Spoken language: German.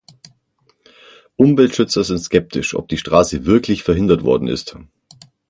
Umweltschützer sind skeptisch, ob die Straße wirklich verhindert worden ist.